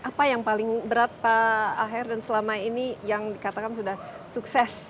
apa yang paling berat pak aher dan selama ini yang dikatakan sudah sukses